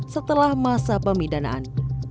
setelah masa pemidanaan